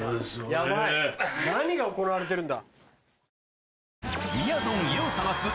ヤバい何が行われてるんだ。